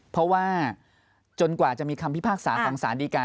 เพราะว่าจนกว่าจะมีคำพิพากษาความสาธิกา